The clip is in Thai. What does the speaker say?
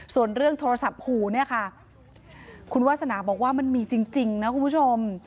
ส่วนเรื่องโทรศัพท์ขู่เนี่ยค่ะคุณวาสนาบอกว่ามันมีจริงนะคุณผู้ชม